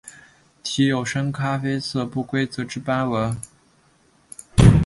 体有深咖啡色不规则之斑纹。